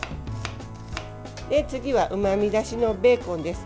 次はうまみ出しのベーコンです。